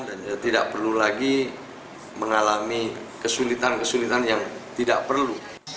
dan tidak perlu lagi mengalami kesulitan kesulitan yang tidak perlu